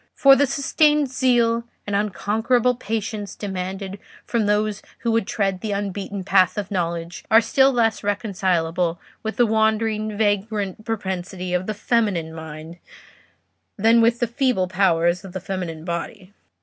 For the sustained zeal and unconquerable patience demanded from those who would tread the unbeaten paths of knowledge are still less reconcilable with the wandering, vagrant propensity of the feminine mind than with the feeble powers of the feminine body."